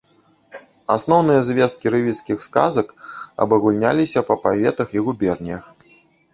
Асноўныя звесткі рэвізскіх сказак абагульняліся па паветах і губернях.